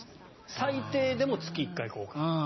最低でも月１回は交換。